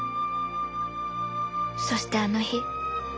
そしてあの日」。